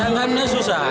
dan kan ini susah